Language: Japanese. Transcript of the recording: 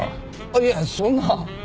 あっいやそんな。